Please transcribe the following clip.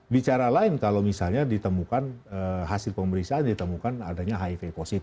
bicara lain kalau misalnya ditemukan hasil pemeriksaan ditemukan adanya hiv positif